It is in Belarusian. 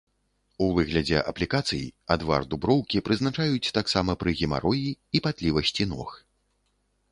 У выглядзе аплікацый адвар дуброўкі прызначаюць таксама пры гемароі і патлівасці ног.